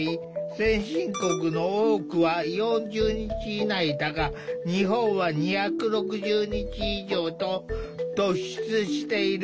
先進国の多くは４０日以内だが日本は２６０日以上と突出している。